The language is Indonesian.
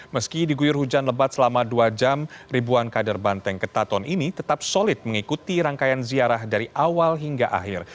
meski diguyur hujan lebat selama dua jam ribuan kader banteng ketaton ini tetap solid mengikuti rangkaian ziarah dari awal hingga akhir